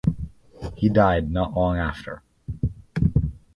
He died not long after.